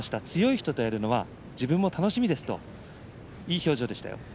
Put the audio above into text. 強い人とやるのは自分も楽しみですといい表情でしたよ。